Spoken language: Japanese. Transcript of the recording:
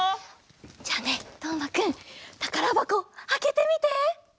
じゃあねとうまくんたからばこあけてみて！